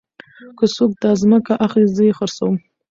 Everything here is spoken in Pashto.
که څوک داځمکه اخلي زه يې خرڅوم.